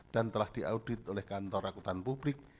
dan telah diaudit oleh kantor akutan publik